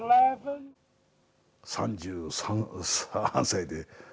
３３歳で。